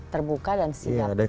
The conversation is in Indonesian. terbuka dan setidaknya